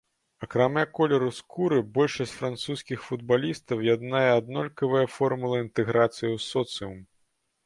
Акрамя колеру скуры большасць французскіх футбалістаў яднае аднолькавая формула інтэграцыі ў соцыум.